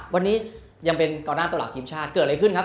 วันนี้ยังเป็นกองหน้าตัวหลักทีมชาติเกิดอะไรขึ้นครับ